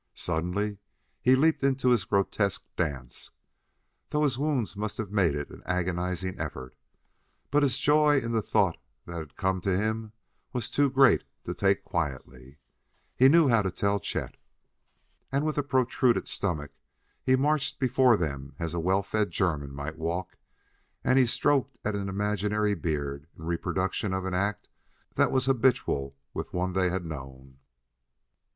Suddenly he leaped into his grotesque dance, though his wounds must have made it an agonizing effort, but his joy in the thought that had come to him was too great to take quietly. He knew how to tell Chet! And with a protruded stomach he marched before them as a well fed German might walk, and he stroked at an imaginary beard in reproduction of an act that was habitual with one they had known.